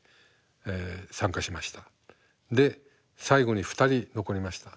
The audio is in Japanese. で最後に２人残りました。